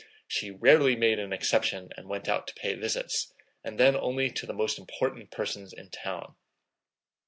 She rarely made an exception and went out to pay visits, and then only to the most important persons in the town.